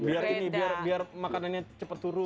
biar makanannya cepet turun